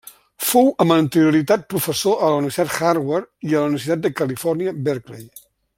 Fou amb anterioritat professor a la Universitat Harvard i a la Universitat de Califòrnia, Berkeley.